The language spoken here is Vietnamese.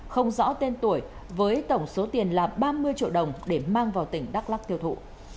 không rõ tên tuổi với tổng số tiền là ba mươi triệu đồng để mang vào tỉnh đắk lắc tiêu thụ